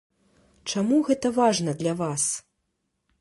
Чаму гэта важна для вас?